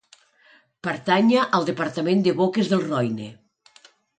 Pertanya al departament de Boques del Roine.